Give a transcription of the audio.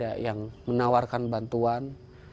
ada yang menawarkan bantuan